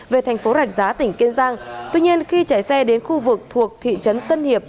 về thành phố rạch giá tỉnh kiên giang tuy nhiên khi chạy xe đến khu vực thuộc thị trấn tân hiệp